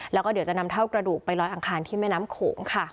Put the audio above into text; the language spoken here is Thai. แล้วก็เดี๋ยวจะนำเท่ากระดูกไปลอยอังคารที่แม่น้ำโขงค่ะ